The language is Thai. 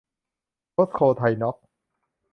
โพสโค-ไทยน๊อคซ์